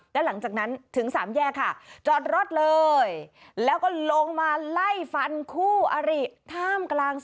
แล้วหลังจากนั้นถึงสามแยกค่ะ